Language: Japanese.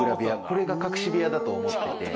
これが隠し部屋だと思ってて。